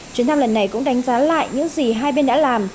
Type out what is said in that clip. chuyến thăm lần này cũng đánh giá lại những gì hai bên đã làm